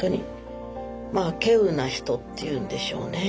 まあけうな人っていうんでしょうね。